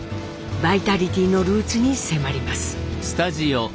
バイタリティーのルーツに迫ります。